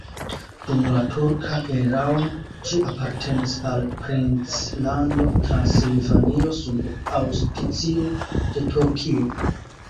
Dum la turka erao ĝi apartenis al Princlando Transilvanio sub aŭspicio de Turkio.